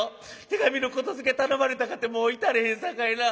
手紙の言づて頼まれたかてもういたれへんさかいな。